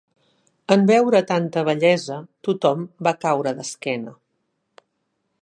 En veure tanta bellesa tothom va caure d'esquena.